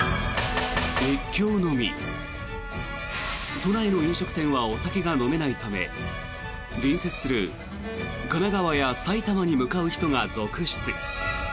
都内の飲食店はお酒が飲めないため隣接する神奈川や埼玉に向かう人が続出。